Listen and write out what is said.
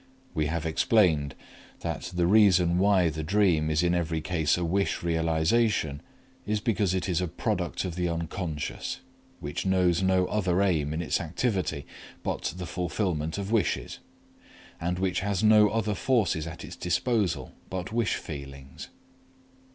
We have explained that the reason why the dream is in every case a wish realization is because it is a product of the Unc., which knows no other aim in its activity but the fulfillment of wishes, and which has no other forces at its disposal but wish feelings.